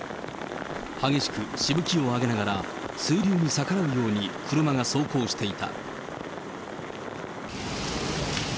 激しくしぶきを上げながら、水流に逆らうように車が走行していた。